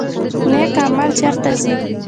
نیک عمل چیرته ځي؟